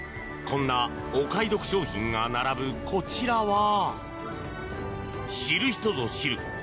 こんなお買い得商品が並ぶこちらは知る人ぞ知る